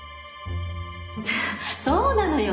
そうなのよ。